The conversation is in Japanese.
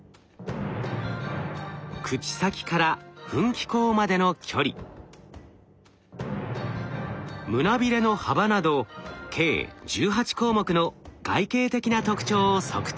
口先から噴気孔までの距離胸びれの幅など計１８項目の外形的な特徴を測定。